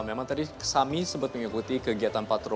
memang tadi kesami sempat mengikuti kegiatan patrolinya